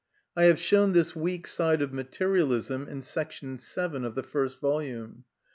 I have shown this weak side of materialism in § 7 of the first volume.